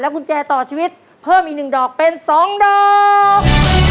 กุญแจต่อชีวิตเพิ่มอีก๑ดอกเป็น๒ดอก